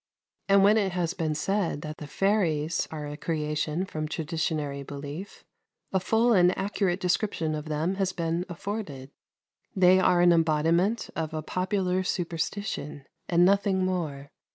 And when it has been said that the fairies are a creation from traditionary belief, a full and accurate description of them has been afforded. They are an embodiment of a popular superstition, and nothing more.